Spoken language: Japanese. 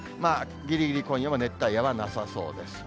ぎりぎり今夜は熱帯夜はなさそうです。